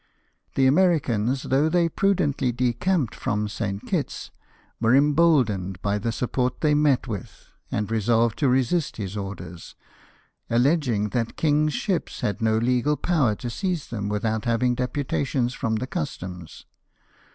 The Americans, though they prudently decamped from St. Kitt's, were emboldened by the support they met with, and resolved to resist his orders, alleging that king's ships had no legal power to seize them without having deputations from the Customs.